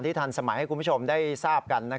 ทันสมัยให้คุณผู้ชมได้ทราบกัน